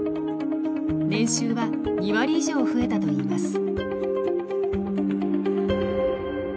年収は２割以上増えたといいます。